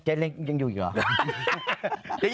เจนเร้งยังอยู่เหรอ